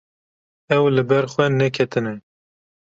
Ew li ber xwe neketine.